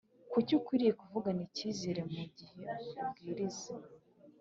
Kuki ukwiriye kuvugana icyizere mu gihe ubwiriza